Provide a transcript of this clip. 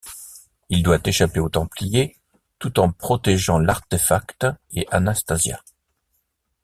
Il doit échapper aux Templiers, tout en protégeant l'artefact et Anastasia.